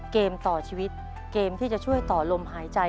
เกมต่อชีวิตเกมที่จะช่วยต่อลมหายใจ